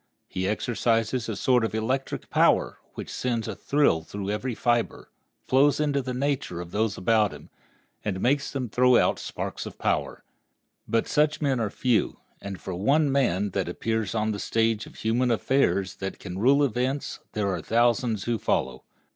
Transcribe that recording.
He exercises a sort of electric power, which sends a thrill through every fiber, flows into the nature of those about him, and makes them throw out sparks of power. But such men are but few; and for one man that appears on the stage of human affairs that can rule events there are thousands who follow.